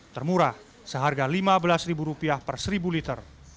termurah seharga lima belas ribu rupiah per seribu liter